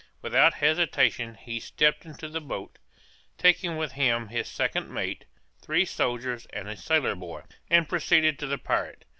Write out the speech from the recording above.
Without hesitation he stepped into the boat, taking with him his second mate, three soldiers and a sailor boy, and proceeded to the pirate.